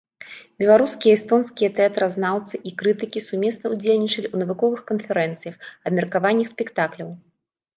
Беларускія і эстонскія тэатразнаўцы і крытыкі сумесна удзельнічалі ў навуковых канферэнцыях, абмеркаваннях спектакляў.